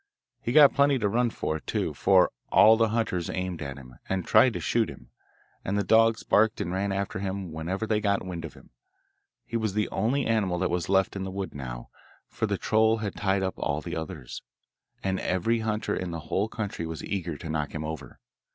He got plenty to run for, too, for all the hunters aimed at him, and tried to shoot him, and the dogs barked and ran after him wherever they got wind of him. He was the only animal that was left in the wood now, for the troll had tied up all the others, and every hunter in the whole country was eager to knock him over.